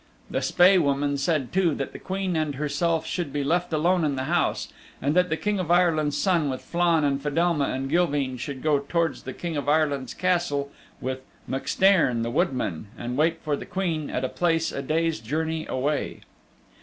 The Spae Woman said too that the Queen and herself should be left alone in the house and that the King of Ireland's Son with Flann and Fedelma and Gilveen should go towards the King of Ireland's Castle with MacStairn the woodman, and wait for the Queen at a place a day's journey away.